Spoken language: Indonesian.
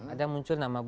ada muncul nama pak bung